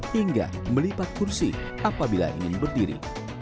hingga melipat kursi apabila ingin berdiri